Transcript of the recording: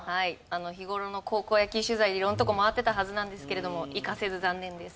日頃の高校野球取材で色んなとこ回ってたはずなんですけれども生かせず残念です。